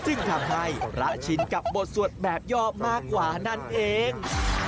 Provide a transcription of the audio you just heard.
จึงทำให้พระชินกับบทสวดแบบย่อมากกว่านั่นเอง